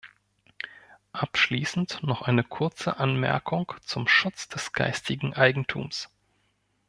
Abschließend noch eine kurze Anmerkung zum Schutz des geistigen Eigentums.